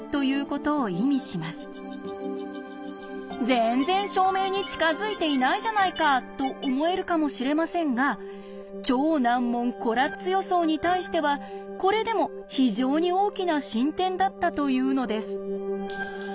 全然証明に近づいていないじゃないかと思えるかもしれませんが超難問コラッツ予想に対してはこれでも非常に大きな進展だったというのです。